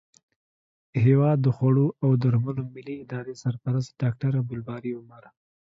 هیواد د خوړو او درملو ملي ادارې سرپرست ډاکټر عبدالباري عمر